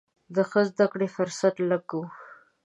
د ښه زده کړو فرصت لږ و.